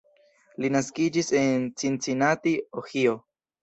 Li naskiĝis en Cincinnati, Ohio.